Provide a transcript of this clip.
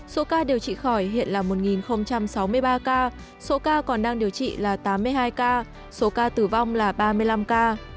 số ca điều trị khỏi hiện là một sáu mươi ba ca số ca còn đang điều trị là tám mươi hai ca số ca tử vong là ba mươi năm ca